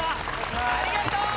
ありがとう！